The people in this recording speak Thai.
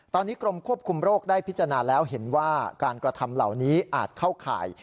ตอนนี้กรมควบคุมโรคได้พิจารณาแล้วเห็นว่าการกระทำเหล่านี้อาจเข้าข่าย